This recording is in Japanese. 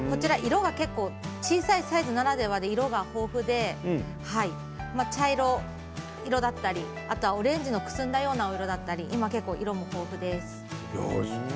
小さいサイズならではで色が豊富で茶色い色だったりオレンジのくすんだお色だったり色も豊富です。